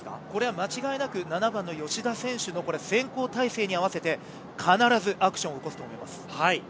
間違いなく７番の吉田選手に合わせて必ずアクションを起こすと思います。